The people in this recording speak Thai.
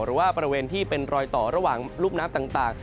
หรือว่าบริเวณที่เป็นรอยต่อระหว่างรุ่มน้ำต่าง